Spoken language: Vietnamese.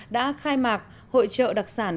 đã khai mạc hội trợ đặc sản